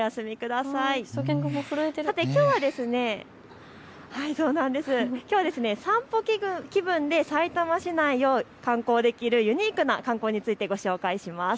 さてきょうは散歩気分でさいたま市内を観光できるユニークな観光についてご紹介します。